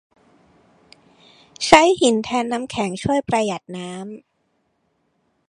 ใช้หินแทนน้ำแข็ง ช่วยประหยัดน้ำ